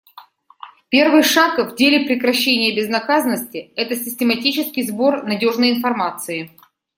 Первый шаг в деле прекращения безнаказанности — это систематический сбор надежной информации.